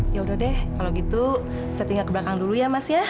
ya udah deh kalau gitu saya tinggal ke belakang dulu ya mas ya